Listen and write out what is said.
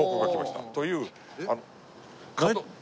という。